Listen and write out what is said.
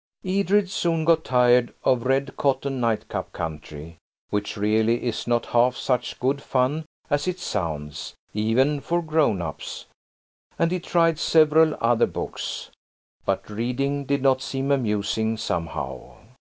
..... Edred soon got tired of "Red Cotton Nightcap Country," which really is not half such good fun as it sounds, even for grown ups, and he tried several other books. But reading did not seem amusing, somehow.